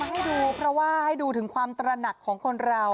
ให้ดูเพราะว่าให้ดูถึงความตระหนักของคนเรา